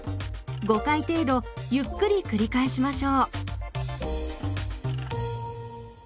５回程度ゆっくり繰り返しましょう。